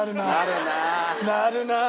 なるなあ。